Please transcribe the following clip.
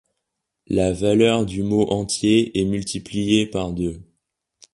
La valeur du mot entier est multipliée par deux.